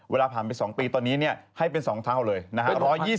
เวลาผ่านไป๒ปีตอนนี้ให้เป็น๒เท่าเลยนะฮะ